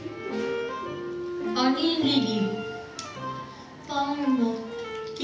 おにぎり。